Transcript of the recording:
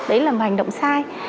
đấy là một hành động sai